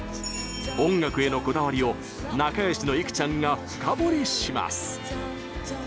音楽へのこだわりを仲良しの生ちゃんが深掘りします！